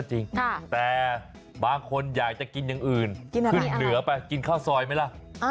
แต่บางคนอยากจะกินอย่างอื่นขึ้นเหนือไปกินข้าวซอยไหมล่ะ